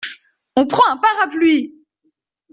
On prend un parapluie !